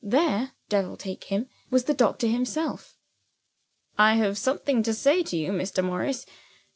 There (devil take him!) was the doctor himself. "I have something to say to you, Mr. Morris.